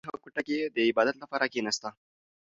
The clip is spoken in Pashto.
انا په یخه کوټه کې د عبادت لپاره کښېناسته.